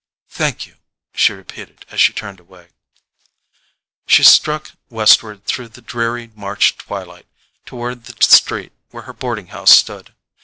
"Thank you," she repeated as she turned away. She struck westward through the dreary March twilight, toward the street where her boarding house stood.